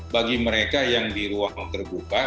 bagi mereka yang di ruang terbuka